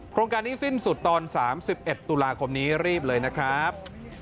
โครงการนี้สิ้นสุดตอน๓๑ตุลาคมนี้รีบเลยนะครับ